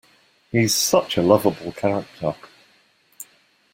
He's such a lovable character.